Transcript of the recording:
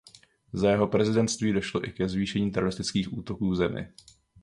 Za jeho prezidentství došlo i ke zvýšení teroristických útoků v zemi.